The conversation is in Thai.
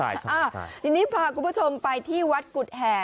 ทีนี้พาคุณผู้ชมไปที่วัดกุฎแห่